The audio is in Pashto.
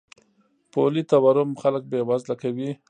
پولي تورم خلک بې وزله کوي.